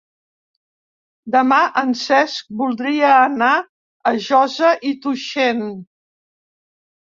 Demà en Cesc voldria anar a Josa i Tuixén.